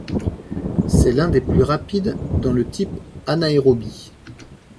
C'est l'un des plus rapides dans le type anaérobie.